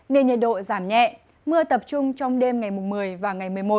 nên nhiệt độ giảm nhẹ mưa tập trung trong đêm ngày một mươi và ngày một mươi một